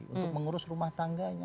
untuk mengurus rumah tangganya